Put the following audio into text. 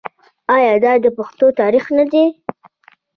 آیا دا د پښتنو تاریخ نه دی؟